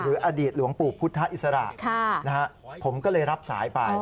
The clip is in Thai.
อดีตหลวงปู่พุทธอิสระผมก็เลยรับสายไป